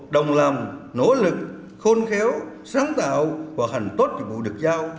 đồng làm nỗ lực khôn khéo sáng tạo và hành tốt dịch vụ được giao